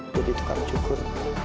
buat ditukar cukur